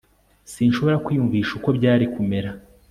Sinshobora kwiyumvisha uko byari kumera